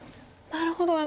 なるほど。